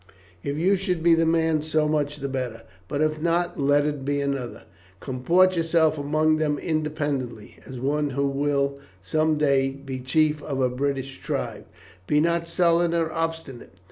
If you should be the man so much the better; but if not, let it be another. Comport yourself among them independently, as one who will some day be chief of a British tribe, but be not sullen or obstinate.